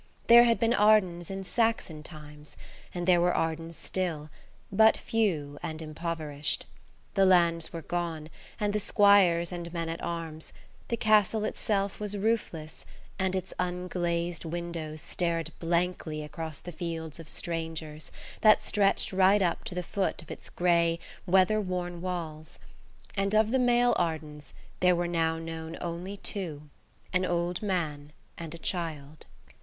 There had been Ardens in Saxon times, and there were Ardens still–but few and impoverished. The lands were gone, and the squires and men at arms; the castle itself was roofless, and its unglazed windows stared blankly across the fields of strangers, that stretched right up to the foot of its grey, weather worn walls. And of the male Ardens there were now known two only–an old man and a child.